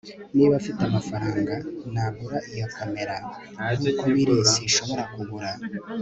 niba mfite amafaranga, nagura iyo kamera. nkuko biri, sinshobora kugura